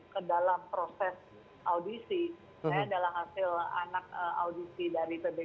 kedalam proses audisi